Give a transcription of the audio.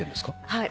はい。